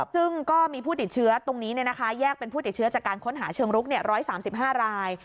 ซึ่งก็มีผู้ติดเชื้อตรงนี้แยกเป็นผู้ติดเชื้อจากการค้นหาเชิงรุก๑๓๕ราย